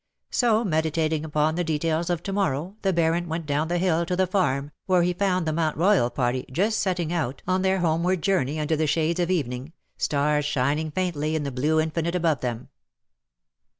So meditating upon the details of to morrow, the Baron went down the hill to the farm, where he found the Mount Royal party just setting out on 240 " LOVE BORE SUCH BITTER their homeward journey under the shades of evening, stars shining faintly in the blue infinite above them.